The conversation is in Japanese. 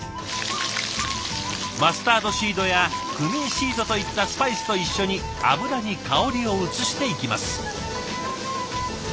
マスタードシードやクミンシードといったスパイスと一緒に油に香りを移していきます。